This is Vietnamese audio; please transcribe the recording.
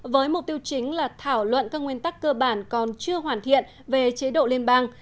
với mục tiêu chính là thảo luận các nguyên tắc cơ bản còn chưa hoàn thiện về chế độ liên bang